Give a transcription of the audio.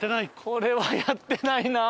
これはやってないな。